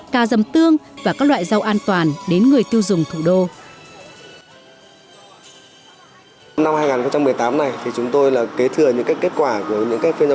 cà dầm tương và các loại rau an toàn đến người tiêu dùng thủ đô